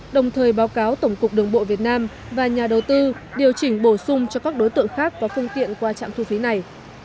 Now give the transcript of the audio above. đồng thời báo cáo tổng cục đường bộ việt nam và nhà đầu tư điều chỉnh bổ sung cho các đối tượng khác có phương tiện qua trạm thu phí này